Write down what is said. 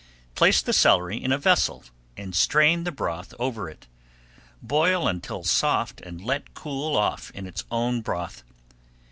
Place the celery in a vessel and strain the broth over it. Boil until soft and let cool off in its own broth.